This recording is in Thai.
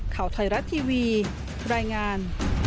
ข่าวไทยรัฐทีวีรายงาน